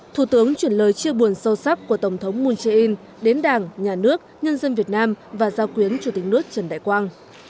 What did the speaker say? thủ tướng chuyển lời chia buồn sâu sắc của tổng thống moon jae in đến đảng nhà nước nhân dân việt nam và giao quyến chủ tịch nước trần đại quang